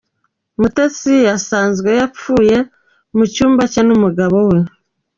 Mutesi yasanzwe yapfuye mu cyumba cye n’umugabo we.